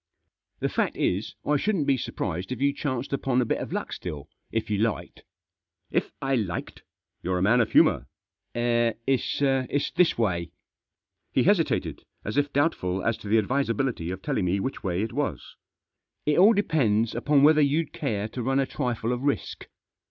" The fact is> I shouldn't be surprised if you chanced upon a bit of luck stsll> if you liked." " If I liked I , You're a man of humour." " It's this way." He hesitated, as if doubtful as to the advisability of telling me which way it was* " It all depends upon whether you'd care to run a trifle of risk."